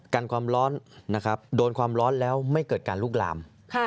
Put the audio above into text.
กันความร้อนนะครับโดนความร้อนแล้วไม่เกิดการลุกลาม